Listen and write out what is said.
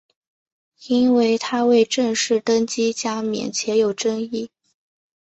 因为他未正式登基加冕且有争议。